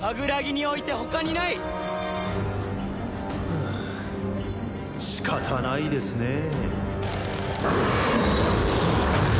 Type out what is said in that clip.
はあ仕方ないですねえ。